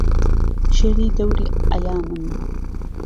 شێری دهوری عهیامم